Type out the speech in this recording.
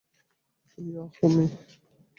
Yeah, মেই!